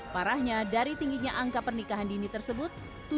parahnya dari tingginya angka pernikahan dini tersebut